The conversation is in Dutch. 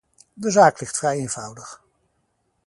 De zaak ligt vrij eenvoudig.